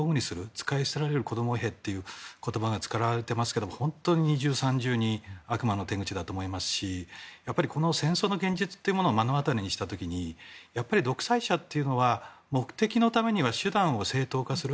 使い捨てられる子供兵という言葉が使われていますが本当に二重、三重に悪魔の手口だと思いますし戦争の現実というものを目の当たりにした時にやっぱり独裁者は目的のためには手段を正当化する。